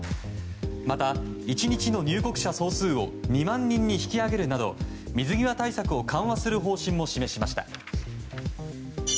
また、１日の入国者総数を２万人に引き上げるなど水際対策を緩和する方針も示しました。